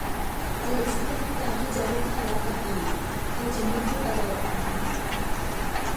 อลิซไม่ต้องการที่จะเริ่มทะเลาะกันอีก เธอจึงไม่พูดอะไรออกมา